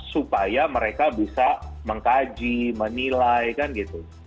supaya mereka bisa mengkaji menilai kan gitu